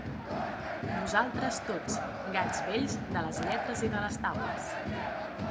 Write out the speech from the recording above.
Vosaltres tots, gats vells de les lletres i de les taules